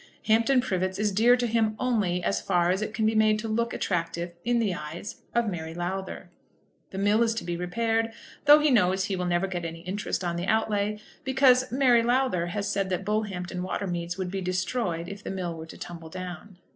Hampton Privets is dear to him only as far as it can be made to look attractive in the eyes of Mary Lowther. The mill is to be repaired, though he knows he will never get any interest on the outlay, because Mary Lowther has said that Bullhampton water meads would be destroyed if the mill were to tumble down.